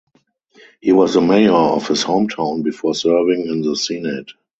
He was the mayor of his hometown before serving in the Senate.